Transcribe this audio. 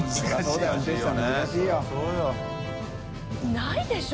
ないでしょ